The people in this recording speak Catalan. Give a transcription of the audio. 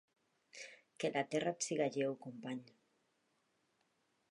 Que la terra et siga lleu, company.